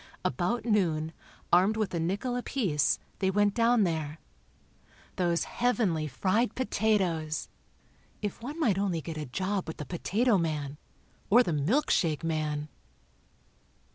About noon, armed with a nickel apiece, they went down there. Those heavenly fried potatoes! If one might only get a job with the potato man. Or the milk shake man....